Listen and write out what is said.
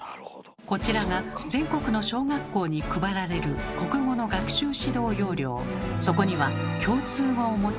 こちらが全国の小学校に配られる国語の学習指導要領。